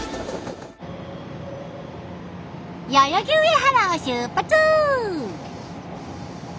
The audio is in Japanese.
代々木上原を出発！